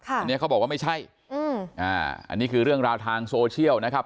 อันนี้เขาบอกว่าไม่ใช่อืมอ่าอันนี้คือเรื่องราวทางโซเชียลนะครับ